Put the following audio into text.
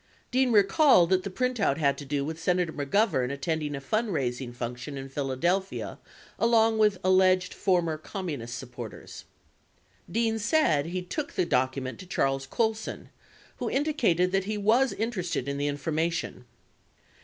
27 Dean recalled that the printout had to do with Senator McGovern attending a fund raising function in Philadelphia along with alleged former Com munist supporters. Dean said he took the document to Charles Colson who indicated that he was interested in the information.